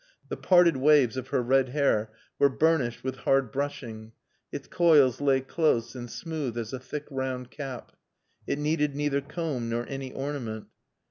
The parted waves of her red hair were burnished with hard brushing; its coils lay close, and smooth as a thick round cap. It needed neither comb nor any ornament.